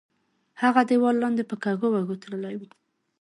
هغه دیوال لاندې په کږو وږو تللی وو.